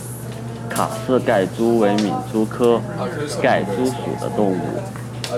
卡氏盖蛛为皿蛛科盖蛛属的动物。